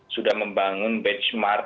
sudah membangun benchmark